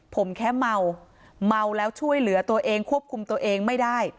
ผมแค่เมาเมาแล้วช่วยเหลือตัวเองควบคุมตัวเองไม่ได้